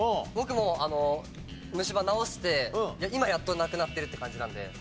僕も虫歯治して今やっとなくなってるって感じなんで。